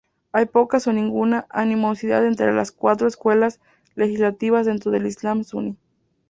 Hay poca o ninguna animosidad entre las cuatro escuelas legislativas dentro del islam sunní.